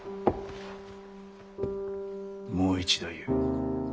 もう一度言う。